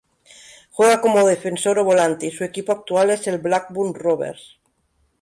Juega como defensor o volante y su equipo actual es el Blackburn Rovers.